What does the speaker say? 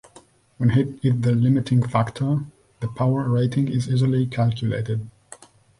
When heat is the limiting factor, the power rating is easily calculated.